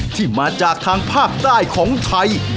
ที่มาจากทางภาคใต้ของไทย